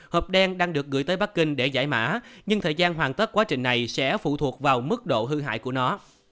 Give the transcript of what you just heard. hộp đen đang được gửi tới bắc kinh để giải mã nhưng thời gian hoàn tất quá trình này sẽ phụ thuộc vào mức độ hư hại của nó